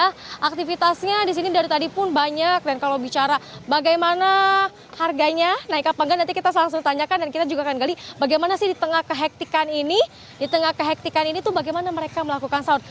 nah aktivitasnya disini dari tadi pun banyak dan kalau bicara bagaimana harganya naik apa enggak nanti kita langsung tanyakan dan kita juga akan gali bagaimana sih di tengah kehektikan ini di tengah kehektikan ini tuh bagaimana mereka melakukan sahur